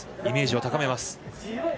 イメージを高めます。